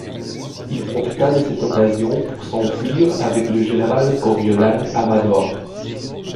Il profita de cette occasion pour s’enfuir avec le Général Coriolan Amador.